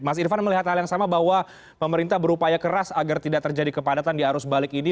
mas irfan melihat hal yang sama bahwa pemerintah berupaya keras agar tidak terjadi kepadatan di arus balik ini